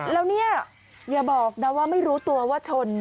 แล้วเนี่ยอย่าบอกนะว่าไม่รู้ตัวว่าชน